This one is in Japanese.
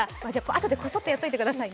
あとでこそっとやっていてください。